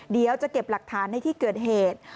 เดี๋ยวจะเก็บหลักฐานในที่เกิดเหตุ